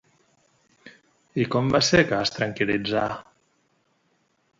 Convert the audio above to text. I com va ser que es tranquil·litzà?